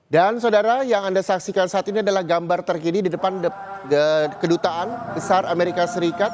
dan saudara yang anda saksikan saat ini adalah gambar terkini di depan kedutaan besar amerika serikat